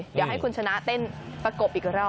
เดี๋ยวให้คุณชนะเต้นประกบอีกรอบ